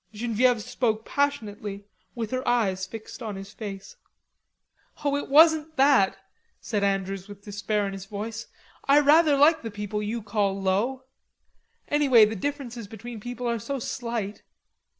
Genevieve spoke passionately, with her eyes fixed on his face. "Oh, it wasn't that," said Andrews with despair in his voice. "I rather like the people you call low. Anyway, the differences between people are so slight...."